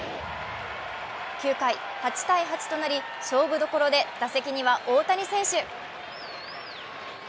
９回、８−８となり勝負どころで打席には大谷選手。